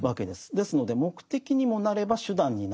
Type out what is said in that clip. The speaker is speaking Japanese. ですので目的にもなれば手段になる。